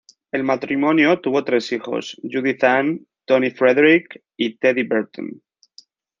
El matrimonio tuvo tres hijos: Judith Ann, Tony Frederick y Teddy Berton.